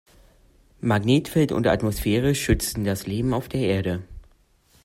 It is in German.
Magnetfeld und Atmosphäre schützen das Leben auf der Erde.